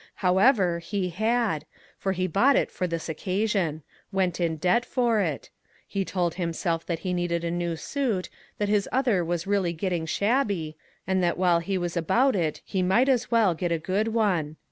However, he had, for he bought it for this occasion. Went in debt for it. He told himself that he needed a new suit, that his other was really getting shabby, and that while he was about it he might as well get a good one.